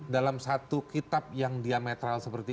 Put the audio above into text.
dalam satu kitab yang diametral seperti